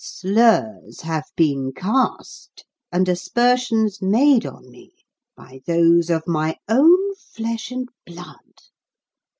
Slurs have been cast and aspersions made on me by those of my own flesh and blood.